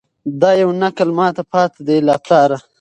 دا یو نکل ماته پاته دی له پلاره